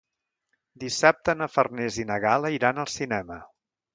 Dissabte na Farners i na Gal·la iran al cinema.